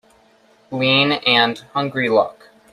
Lean and hungry look